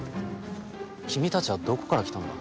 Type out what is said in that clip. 君たちはどこから来たんだ？